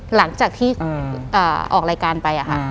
หลังจากที่ออกรายการไป